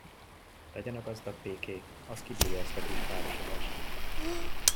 Legyen a gazdag péké, az kibírja ezt a kis károsodást.